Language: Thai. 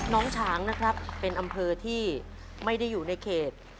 ฉางนะครับเป็นอำเภอที่ไม่ได้อยู่ในเขต